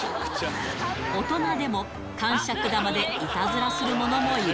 大人でも、かんしゃく玉でいたずらする者もいる。